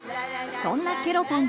そんなケロポンズ